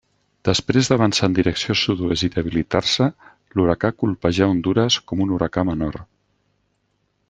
Després d'avançar en direcció sud-oest i debilitar-se, l'huracà colpejà Hondures com un huracà menor.